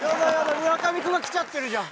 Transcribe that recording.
村上君が来ちゃってるじゃん！